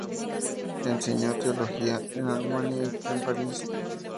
Enseñó teología en Alemania y en París.